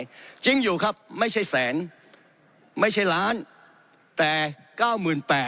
มันเป็นร่างกฎหมายที่ประชาชนเข้าชื่อเสนอกฎหมาย